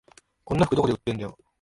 こんな服どこで売ってんだよ